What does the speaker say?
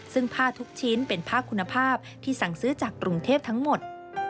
ซึ่งผ้าทุกชิ้นเป็นผ้าคุณภาพที่สั่งซื้อจากกรุงเทพทั้งหมด